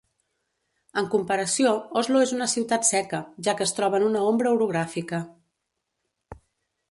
En comparació, Oslo és una ciutat seca, ja que es troba en una ombra orogràfica.